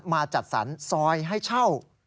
มาจัดสรรซอยให้เช่า